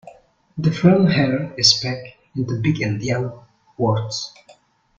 The frame header is packed into big-endian dwords.